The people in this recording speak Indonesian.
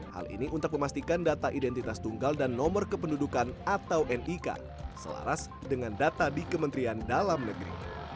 hal ini untuk memastikan data identitas tunggal dan nomor kependudukan atau nik selaras dengan data di kementerian dalam negeri